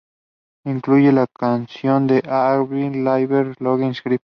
Incluye canción de Avril Lavigne "Losing Grip".